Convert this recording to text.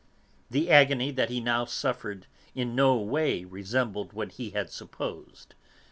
The agony that he now suffered in no way resembled what he had supposed.